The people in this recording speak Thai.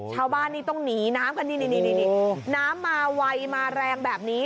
ชาวบ้านนี่ต้องหนีน้ำกันนี่น้ำมาไวมาแรงแบบนี้